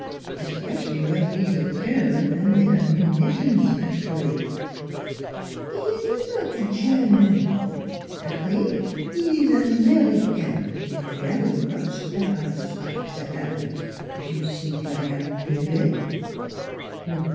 ... Especially when he's a German and in a munitions factory." " 'E ees not German ! 'Arry 'e ees Ameri caine vary much star an' stripe, zat 'Arry. You zink I am bebe?"